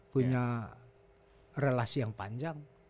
punya relasi yang panjang